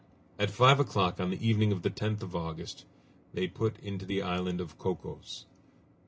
At five o'clock on the evening of the 10th of August they put into the island of Cocos.